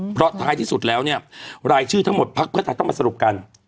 เพราะท้ายที่สุดแล้วเนี่ยรายชื่อทั้งหมดภักดิ์เพื่อไทยต้องมาสรุปกัน